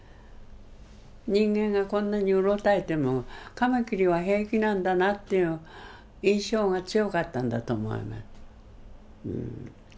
人間がこんなにうろたえてもカマキリは平気なんだなっていう印象が強かったんだと思います。